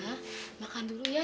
non angela makan dulu ya